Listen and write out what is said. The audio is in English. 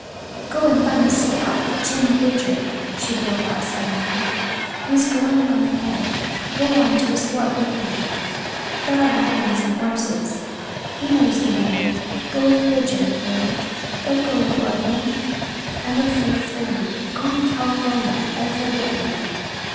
"Go find the scout Jim Bridger!" she broke out suddenly. "He's going on ahead. Go on to his fort with him he'll have wagons and horses. He knows the way. Go with Bridger, Will! Don't go to Oregon! I'm afraid for you. Go to California and forget me!